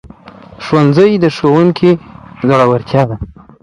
ښوونځی د ښوونکو زړورتیا ده